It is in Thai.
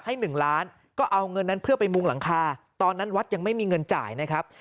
หนึ่งล้านก็เอาเงินนั้นเพื่อไปมุงหลังคาตอนนั้นวัดยังไม่มีเงินจ่ายนะครับ